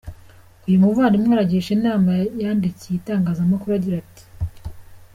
Uyu muvandimwe aragisha inama, yandikiye itangazamakuru agira ati